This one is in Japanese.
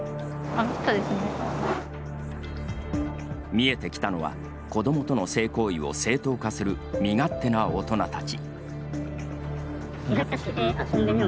見えてきたのは子どもとの性行為を正当化する身勝手な大人たち。